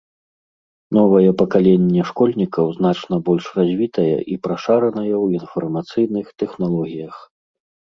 Новае пакаленне школьнікаў значна больш развітае і прашаранае ў інфармацыйных тэхналогіях.